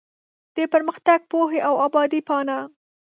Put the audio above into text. د پرمختګ ، پوهې او ابادۍ پاڼه